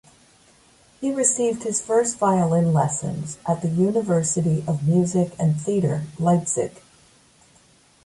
He received his first violin lessons at the University of Music and Theatre Leipzig.